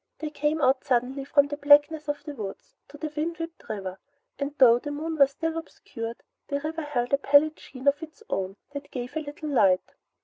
They came out suddenly from the blackness of the woods to the wind whipped river, and though the moon was still obscured, the river held a pallid sheen of its own that gave a little light.